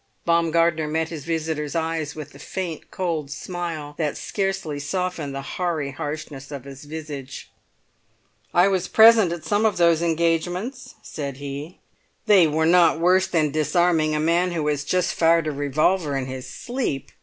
Baumgartner met his visitor's eyes with the faint cold smile that scarcely softened the hoary harshness of his visage. "I was present at some of those engagements," said he. "They were not worse than disarming a man who has just fired a revolver in his sleep!"